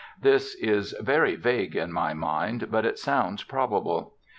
This is very vague in my mind, but it sounds probable.